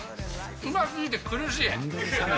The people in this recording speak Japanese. うますぎて苦しい。